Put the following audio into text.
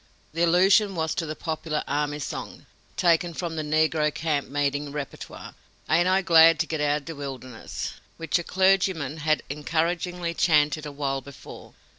The allusion was to the popular army song, taken from the negro camp meeting repertoire: "Ain't I glad to git out o' de Wilderness," which a clergyman had encouragingly chanted awhile before.